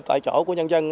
tại chỗ của nhân dân